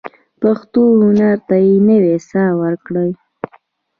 پښتو هنر ته نوې ساه ورکړو.